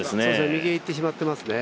右にいってしまってますね。